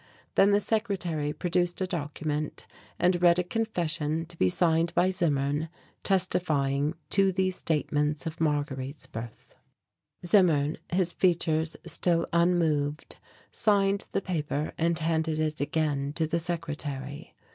Then the secretary produced a document and read a confession to be signed by Zimmern, testifying to these statements of Marguerite's birth. Zimmern, his features still unmoved, signed the paper and handed it again to the secretary.